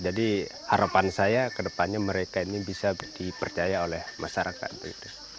jadi harapan saya kedepannya mereka ini bisa dipercaya oleh masyarakat